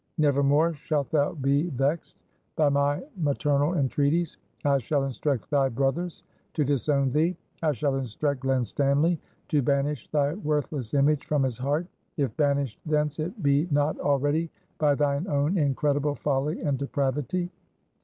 Never more shalt thou be vexed by my maternal entreaties. I shall instruct thy brothers to disown thee; I shall instruct Glen Stanly to banish thy worthless image from his heart, if banished thence it be not already by thine own incredible folly and depravity.